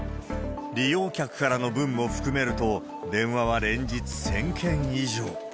利用客からの分も含めると、電話は連日１０００件以上。